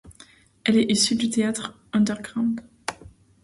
Elle est issue du théâtre underground.